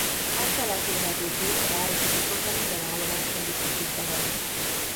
Átszállási lehetőség a városi buszokra minden állomáson biztosítva van.